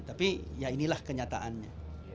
tapi ya inilah kenyataannya